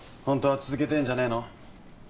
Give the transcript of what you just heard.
ホントは続けてえんじゃねえの？